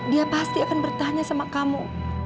dia pasti akan bertanya sama kamu